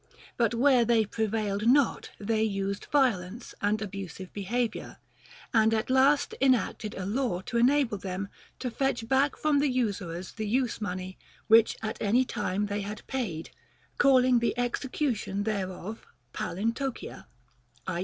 But where they prevailed not, they used violence and abusive behavior, and at last enacted a law to enable them to fetch back from the usurers the use money which at any time they had paid, calling the execu tion thereof palintocia, i.